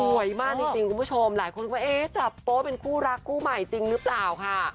มากจริงคุณผู้ชมหลายคนก็เอ๊ะจับโป๊เป็นคู่รักคู่ใหม่จริงหรือเปล่าค่ะ